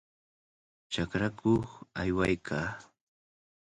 Chakrakuq aywaykaa.